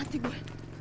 hah mati gue